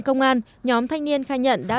công an nhóm thanh niên khai nhận đã